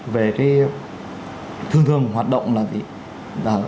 về cái thường thường hoạt động là gì là